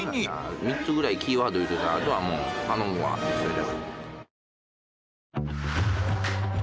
３つぐらいキーワード言うといたらあとはもう頼むわそれで。